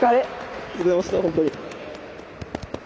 ありがとうございましたホントに。